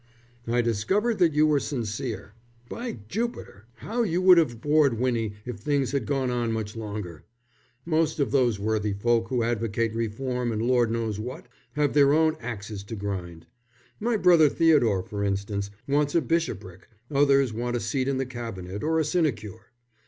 "I discovered that you were sincere. By Jupiter, how you would have bored Winnie if things had gone on much longer! Most of those worthy folk who advocate reform and lord knows what, have their own axes to grind. My brother Theodore, for instance, wants a bishopric, others want a seat in the Cabinet or a sinecure.